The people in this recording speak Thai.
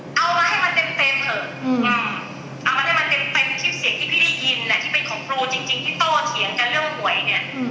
เอามาให้มันเต็มเถอะเอามาให้มันเป็นคลิปเสียงที่พี่ได้ยินที่เป็นของครูจริงที่โตเถียงกันเรื่องหวยเนี่ย